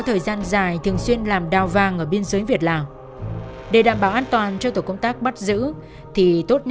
như hà tĩnh nghệ an thanh hóa ninh bình nam định hải phòng quảng ninh